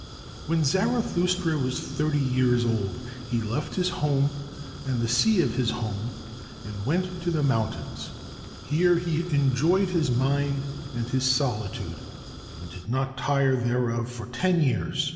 "When Zarathustra was thirty years old, he left his home and the sea of his home and went to the mountains. Here he enjoyed his mind and his solitude, and did not tire thereof for ten years.